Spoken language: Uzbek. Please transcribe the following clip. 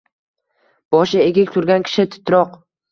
Boshi egik turgan kishi titroq